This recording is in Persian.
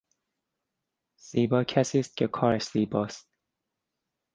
زیبا کسی است که کارش زیبا است.